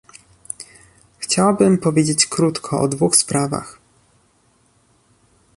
Chciałabym powiedzieć krótko o dwóch sprawach